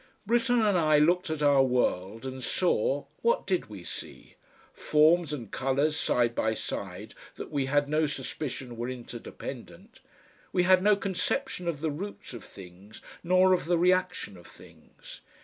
Britten and I looked at our world and saw what did we see? Forms and colours side by side that we had no suspicion were interdependent. We had no conception of the roots of things nor of the reaction of things.